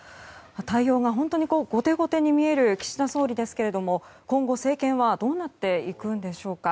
対応が本当に後手後手に見える岸田総理ですけれども今後、政権はどうなっていくんでしょうか。